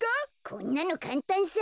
こんなのかんたんさ。